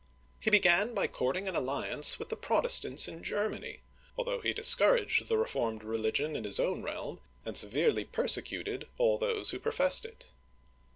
He began by courting an alliance with the Protestants in Germany, although he discouraged tlie reformed religion in his own realm, and severely per secuted all those who professed it.